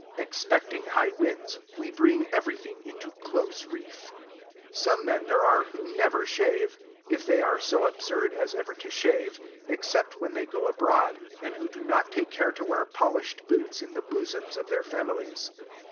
Expecting high winds, we bring everything into close reef. Some men there are who never shave (if they are so absurd as ever to shave), except when they go abroad, and who do not take care to wear polished boots in the bosoms of their families.